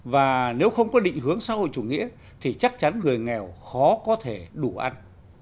và nếu không có định hướng xã hội chủ nghĩa thì chắc chắn người nghèo khó có thể đủ ăn